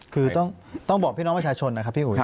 คือต้องบอกพี่น้องประชาชนนะครับพี่อุ๋ย